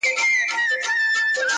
څو مېرمني او نوکر راوړل ډانګونه!.